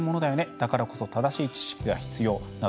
だからこそ正しい知識が必要など